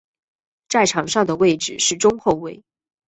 在场上的位置是中后卫。